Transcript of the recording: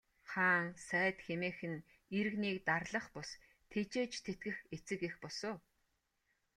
Хаан сайд хэмээх нь иргэнийг дарлах бус, тэжээж тэтгэх эцэг эх бус уу.